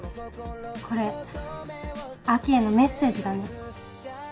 これ亜季へのメッセージだね。